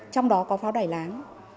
trong đó có pháo đài láng